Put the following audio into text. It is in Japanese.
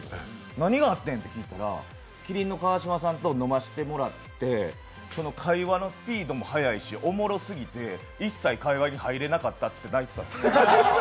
何があってんって聞いたら麒麟の川島さんと飲ませてもらってその会話のスピードも速いし、おもろすぎて、一切会話に入れなかったって言って泣いてた。